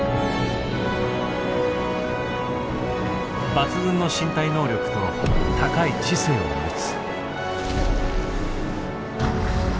抜群の身体能力と高い知性を持つ。